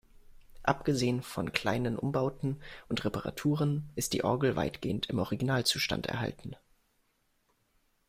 Abgesehen von kleinen Umbauten und Reparaturen ist die Orgel weitgehend im Originalzustand erhalten.